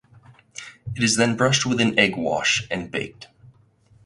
It is then brushed with an egg wash and baked.